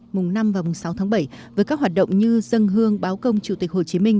mùng năm và mùng sáu tháng bảy với các hoạt động như dân hương báo công chủ tịch hồ chí minh